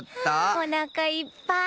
おなかいっぱい。